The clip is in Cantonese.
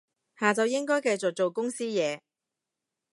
下晝應該繼續做公司嘢